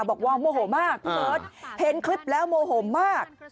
บอกว่าโมโหมากพี่เบิร์ตเห็นคลิปแล้วโมโหมาก